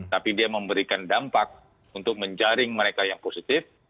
tapi dia memberikan dampak untuk menjaring mereka yang positif